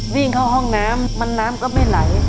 วิ่งเข้าห้องน้ำมันน้ำก็ไม่ไหล